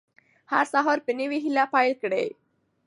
هر سهار په نوې هیله پیل کړئ.